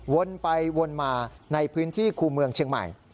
วนไปวนมาในพื้นที่คู่เมืองเชียงใหม่